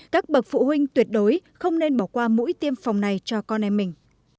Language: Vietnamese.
các bậc phụ huynh tuyệt đối không nên bỏ qua mũi tiêm phòng này cho con em mình